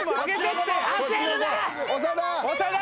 長田。